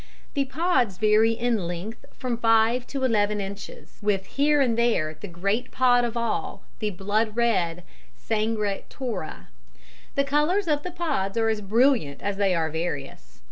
The pods vary in length from five to eleven inches, "with here and there the great pod of all, the blood red sangre tora." The colours of the pods are as brilliant as they are various.